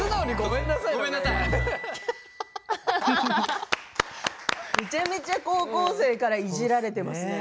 めちゃめちゃ高校生からいじられていますね。